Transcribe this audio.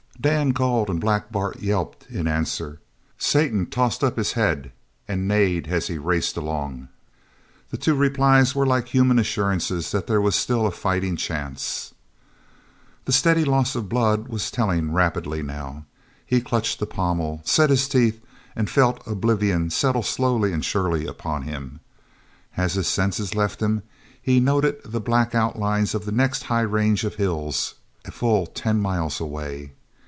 Dan called and Black Bart yelped in answer. Satan tossed up his head and neighed as he raced along. The two replies were like human assurances that there was still a fighting chance. The steady loss of blood was telling rapidly now. He clutched the pommel, set his teeth, and felt oblivion settle slowly and surely upon him. As his senses left him he noted the black outlines of the next high range of hills, a full ten miles away.